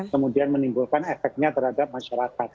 kemudian menimbulkan efeknya terhadap masyarakat